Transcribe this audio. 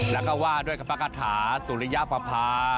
แล้วก็ว่าด้วยกระปะกะถาสุริยาปราบภา